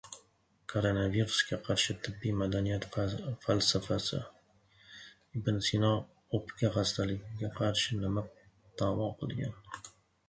Koronavirusga qarshi tibbiy madaniyat falsafasi. Ibn Sino o‘pka xastaligiga qarshi nima davo qilgan?